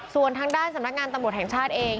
ส่วนทางด้านสำนักงานตำรวจแห่งชาติเอง